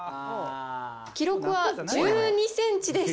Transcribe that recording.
記録は１２センチです。